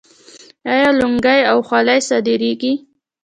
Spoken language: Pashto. آیا لونګۍ او خولۍ صادریږي؟